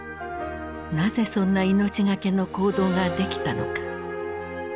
なぜそんな命懸けの行動ができたのか。